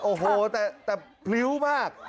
โอ้โหแต่พริ้วมาก